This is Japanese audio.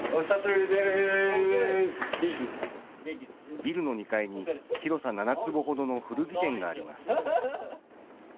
ビルの２階に広さ７坪ほどの古着店があります。